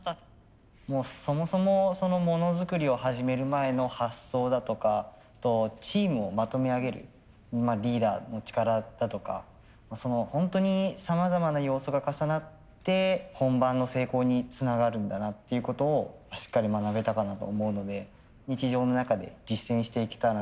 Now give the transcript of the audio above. そもそもそのモノづくりを始める前の発想だとかチームをまとめ上げるリーダーの力だとかホントにさまざまな要素が重なって本番の成功につながるんだなっていうことをしっかり学べたかなと思うので日常の中で実践していけたらなというふうに思います。